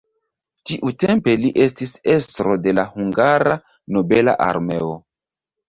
Tiutempe li estis estro de la hungara nobela armeo.